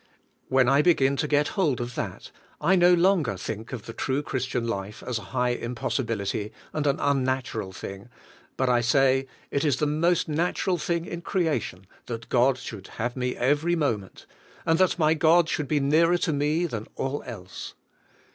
When I begin to get hold of that, I no longer think of the true Christian life as a high impossibility, and an unnatural thing, but I say, "It is the most nat ural thing in creation that God should have me every moment, and that my God should be nearer to me than all else."